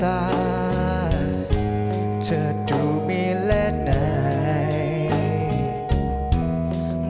เพราะว่าในสายตาเธอดูมีเล่นไหน